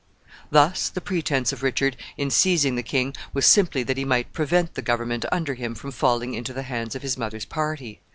Thus the pretense of Richard in seizing the king was simply that he might prevent the government under him from falling into the hands of his mother's party.